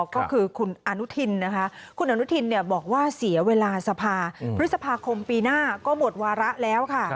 ก็คือคุณอนุทินนะคะคุณอนุทินบอกว่าเสียเวลาสภา